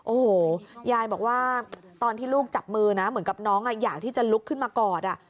โอ้โหยายบอกว่าตอนที่ลูกจับมือนะเหมือนกับน้องอยากที่จะลุกขึ้นมากอด